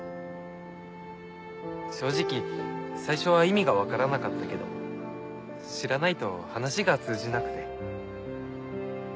正直最初は意味が分からなかったけど知らないと話が通じなくて。